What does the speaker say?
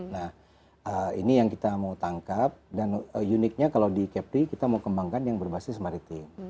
nah ini yang kita mau tangkap dan uniknya kalau di kepri kita mau kembangkan yang berbasis maritim